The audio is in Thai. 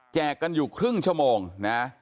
กันอยู่ครึ่งชั่วโมงนะ